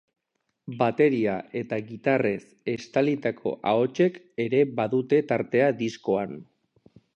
Bateria eta gitarrez estalitako ahotsek ere badute tartea diskoan.